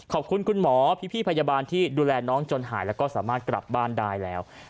ขอบคุณคุณหมอพี่พยาบาลที่ดูแลน้องจนหายแล้วก็สามารถกลับบ้านได้แล้ว